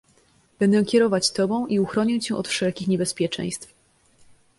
"Będę kierować tobą i uchronię cię od wszelkich niebezpieczeństw."